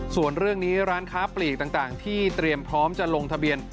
ส่วนเรื่องนี้ร้านค้าปลีกต่างที่เตรียมพร้อมจะลงทะเบียน